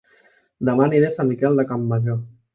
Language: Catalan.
Dema aniré a Sant Miquel de Campmajor